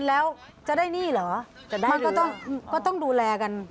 แล้วจะได้หนี้เหรอจะได้มันก็ต้องดูแลกัน